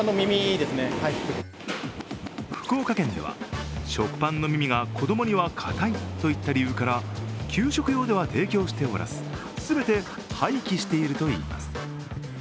福岡県では食パンの耳が子供にはかたいといった理由から給食用では提供しておらず全て廃棄しているといいます。